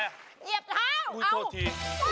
เหยียบเท้าอ้าวมรีโทษที